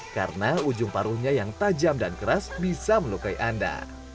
karena ujung paruhnya yang tajam dan keras bisa melukai anda